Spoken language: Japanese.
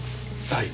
はい。